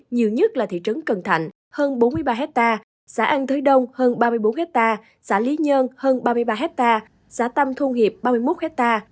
nhiều nhất là thị trấn cần thạnh hơn bốn mươi ba ha xã an thới đông hơn ba mươi bốn ha xã lý nhơn hơn ba mươi ba ha xã tâm thu nhiệp ba mươi một ha